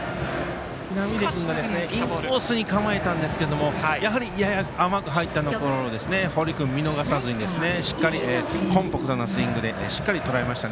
少しインコースに構えたんですがやや甘く入ったところを堀君、見逃さずにコンパクトなスイングでしっかりとらえました。